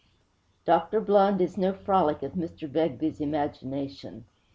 _ Dr. Blund is no frolic of Mr. Begbie's imagination.